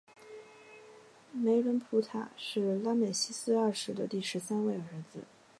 梅伦普塔是拉美西斯二世的第十三位儿子。